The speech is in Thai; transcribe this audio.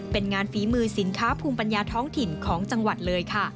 เป็นงานฝีมือสินค้าภูมิปัญญาท้องถิ่นของจังหวัดเลยค่ะ